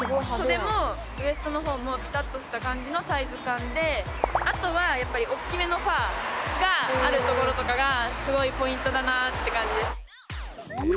袖もウエストの方もピタッとした感じのサイズ感であとはやっぱりおっきめのファーがあるところとかがすごいポイントだなって感じです。